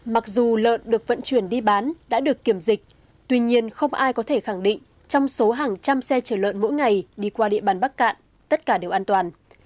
mặc dù lợn được vận chuyển đi bán đã được kiểm dịch tuy nhiên không ai có thể khẳng định trong số hàng trăm xe chở lợn mỗi ngày đi qua địa bàn bắc cạn tất cả đều an toàn